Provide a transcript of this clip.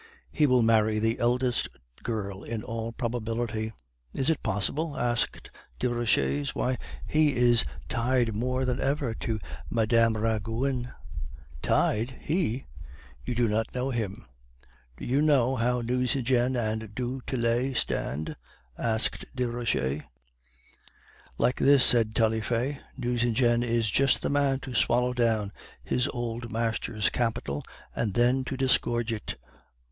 "'He will marry the eldest girl in all probability.' "'Is it possible?' asked Desroches; 'why, he is tied more than ever to Mme. Roguin.' "'Tied he? You do not know him.' "'Do you know how Nucingen and du Tillet stand?' asked Desroches. "'Like this,' said Taillefer; 'Nucingen is just the man to swallow down his old master's capital, and then to disgorge it.